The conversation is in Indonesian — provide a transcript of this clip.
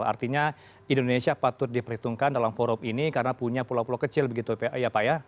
artinya indonesia patut diperhitungkan dalam forum ini karena punya pulau pulau kecil begitu ya pak ya